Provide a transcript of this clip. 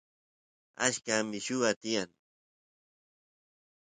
achka milluwa tiyan